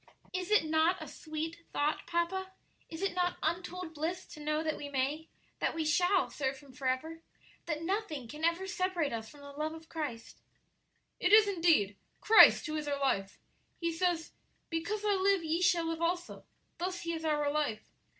Is it not a sweet thought, papa? is it not untold bliss to know that we may that we shall serve Him forever? that nothing can ever separate us from the love of Christ?" "It is, indeed Christ who is our life. He says, 'Because I live, ye shall live also;' thus He is our life.